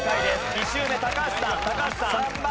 ２周目高橋さん高橋さん。